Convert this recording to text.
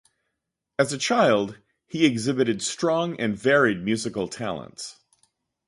As a child, he exhibited strong and varied musical talents.